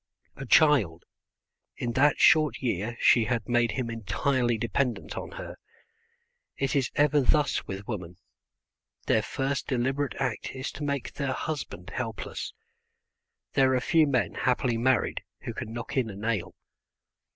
A child! In that short year she had made him entirely dependent on her. It is ever thus with women: their first deliberate act is to make their husband helpless. There are few men happily married who can knock in a nail.